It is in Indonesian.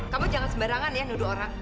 kamu jangan sembarangan ya nuduh orang